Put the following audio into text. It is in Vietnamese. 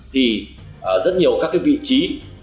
thì rất nhiều các cái vị trí